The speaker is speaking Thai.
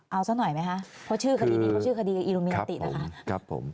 เอาสักหน่อยไหมคะเพราะชื่อคดีอิลุมินาตินะคะ